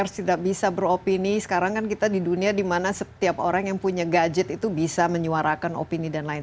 sekarang kan kita di dunia di mana setiap orang yang punya gadget itu bisa menyuarakan opini dan lain